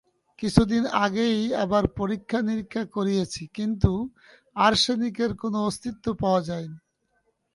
কিছুদিন আগেই আবার পরীক্ষা-নিরীক্ষা করিয়েছি, কিন্তু আর্সেনিকের কোনো অস্তিত্ব পাওয়া যায়নি।